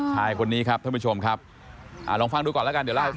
ชายคนนี้ครับท่านผู้ชมครับลองฟังดูก่อนแล้วกันเดี๋ยวเล่าให้ฟัง